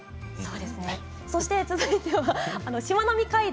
続いては、しまなみ海道。